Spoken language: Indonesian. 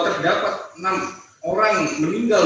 terdapat enam orang meninggal